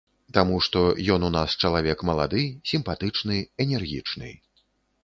Таму што ён у нас чалавек малады, сімпатычны, энергічны.